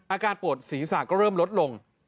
อาการปวดศีรษะก็เริ่มลดลง